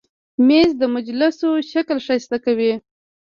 مېز د مجلسو شکل ښایسته کوي.